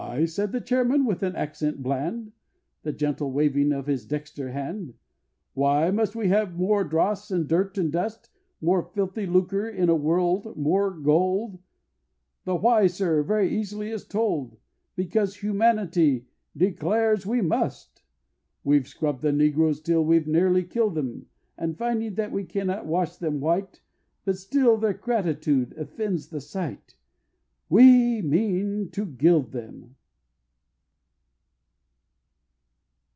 said the Chairman, with an accent bland, And gentle waving of his dexter hand, "Why must we have more dross, and dirt, and dust, More filthy lucre, in a word, more gold The why, sir, very easily is told, Because Humanity declares we must! We've scrubb'd the negroes till we've nearly killed 'em, And finding that we cannot wash them white, But still their nigritude offends the sight, _We mean to gild 'em!